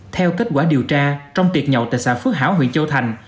theo kết quả điều tra trong tiệc nhậu tại xã phước hảo huyện châu thành